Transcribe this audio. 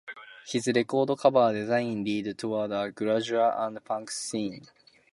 His record cover designs lead toward a grudgy and a punk scene.